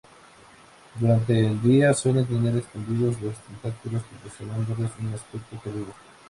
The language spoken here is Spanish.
Durante el día suelen tener expandidos los tentáculos, proporcionándoles un aspecto peludo.